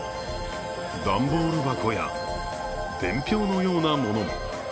段ボール箱や伝票のようなものも。